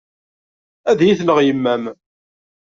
Ad yi-tenɣ yemma-m.